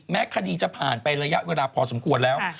คดีจะผ่านไประยะเวลาพอสมควรแล้ว